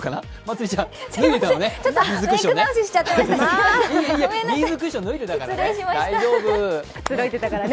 ビーズクッション脱いでたのね。